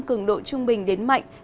cường độ trung bình đến mạnh